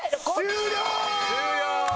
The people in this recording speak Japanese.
終了！